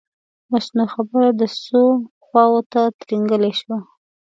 بس نو خبره د ځو خواته ترینګلې شوه.